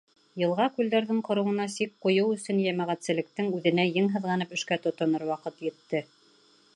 Йылға-күлдәрҙең ҡороуына сик ҡуйыу өсөн йәмәғәтселектең үҙенә ең һыҙғанып эшкә тотонор ваҡыт етте.